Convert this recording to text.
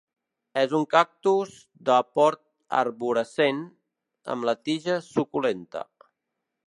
És un cactus de port arborescent, amb la tija suculenta.